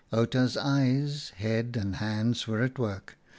Outa's eyes, head and hands were at work.